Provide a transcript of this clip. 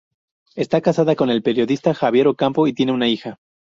Está casada con el periodista Javier Ocampo y tiene una hija.